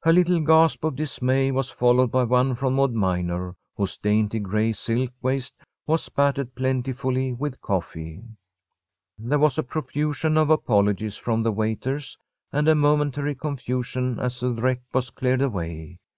Her little gasp of dismay was followed by one from Maud Minor, whose dainty gray silk waist was spattered plentifully with coffee. There was a profusion of apologies from the waiters and a momentary confusion as the wreck was cleared away.